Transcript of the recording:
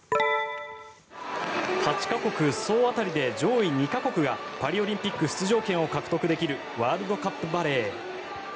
８か国総当たりで上位２か国がパリオリンピック出場権を獲得できるワールドカップバレー。